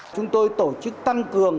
chúng tôi tổ chức tăng cường